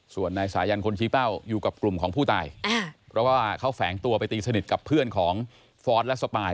ส่วนนายสายันคนชี้เป้าอยู่กับกลุ่มของผู้ตายเพราะว่าเขาแฝงตัวไปตีสนิทกับเพื่อนของฟอสและสปาย